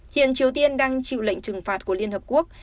hiện triều tiên đang chịu lệnh trừng phạt của liên hợp quốc